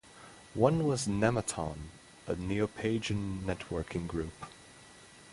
One was "Nemeton", a Neopagan networking group.